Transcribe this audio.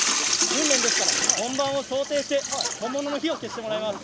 訓練ですから、本番を想定して、本物の火を消してもらいます。